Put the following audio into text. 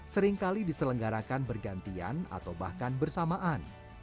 seringkali diselenggarakan bergantian atau bahkan bersamaan